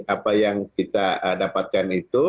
apa yang kita dapatkan itu